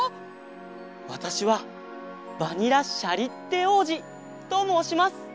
わたしはバニラ・シャリッテおうじともうします。